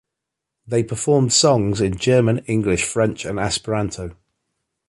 They performed songs in German, English, French and Esperanto.